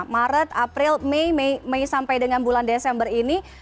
maret april mei sampai dengan bulan desember ini